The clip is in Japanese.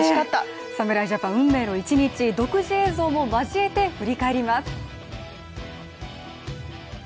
侍ジャパン運命の一日独自映像も交えて、振り返ります。